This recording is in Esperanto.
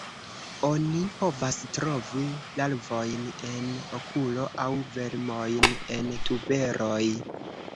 Oni povas trovi larvojn en okulo, aŭ vermojn en tuberoj.